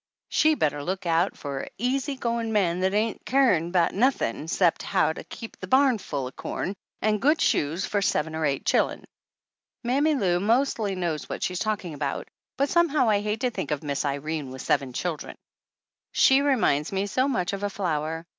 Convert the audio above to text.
She better look out for a easy goin' man that ain't carin' 'bout nothin' 'cept how to keep the barn full o' corn and good shoes for seven or eight chil'en !" Mammy Lou mostly knows what's she talk ing about, but somehow I hate to think of Miss Irene with seven children. She reminds me so much of a flower.